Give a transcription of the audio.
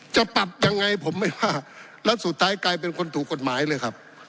จะปรับยังไงผมไม่ว่าแล้วสุดท้ายกลายเป็นคนถูกกฎหมายเลยครับ